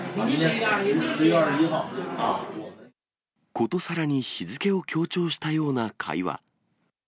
ことさらに日付を強調したような会話。